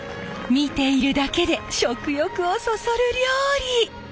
見ているだけで食欲をそそる料理！